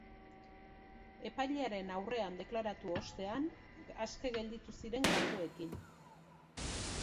Epailearen aurrean deklaratu ostean, aske gelditu ziren karguekin.